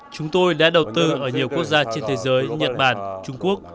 chúng tôi đã đầu tư ở nhiều quốc gia trên thế giới nhật bản trung quốc